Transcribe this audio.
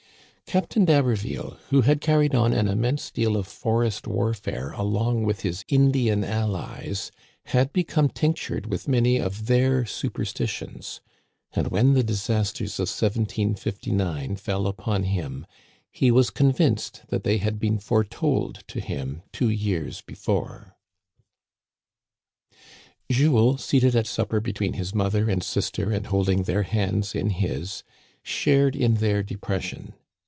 Captain d'HaberVille, who had carried on an im mense deal of forest warfare along with his Indian allies, had become tinctured with many of their superstitions ; and when the disasters of 1759 ^^ upon him, he was Digitized by VjOOQIC MADAME D'HABERVILLE'S STORY, 159 convinced that they had been foretold to him two years before. Jules, seated at supper between his mother and sis ter and holding their hands in his, shared in their de pression.